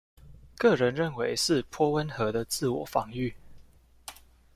個人認為是頗溫和的自我防禦